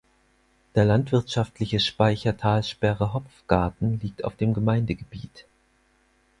Der landwirtschaftliche Speicher Talsperre Hopfgarten liegt auf dem Gemeindegebiet.